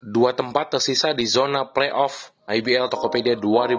dua tempat tersisa di zona playoff ibl tokopedia dua ribu dua puluh